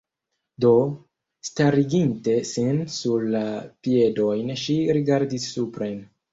Do, stariginte sin sur la piedojn ŝi rigardis supren.